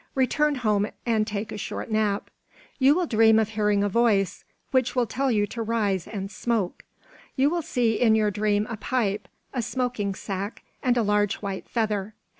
Return home and take a short nap. You will dream of hearing a voice, which will tell you to rise and smoke. You will see in your dream a pipe, a smoking sack, and a large white feather.